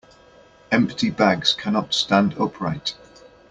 Empty bags cannot stand upright.